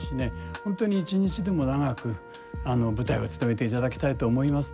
本当に一日でも長く舞台をつとめていただきたいと思いますね。